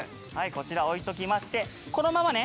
こちら置いときましてこのままね。